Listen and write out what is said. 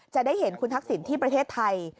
จะได้เห็นคุณทักษิณที่ประเทศไทย